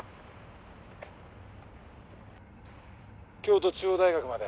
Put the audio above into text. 「京都中央大学まで」